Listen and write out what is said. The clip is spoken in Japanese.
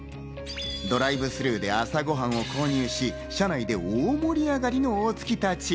ドライブスルーで朝ごはんを購入し、車内で大盛り上がりの大槻たち。